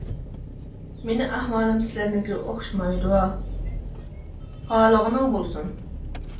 -مېنىڭ ئەھۋالىم سىلەرنىڭكىگە ئوخشىمايدۇ. -خالىغىنىڭ بولسۇن.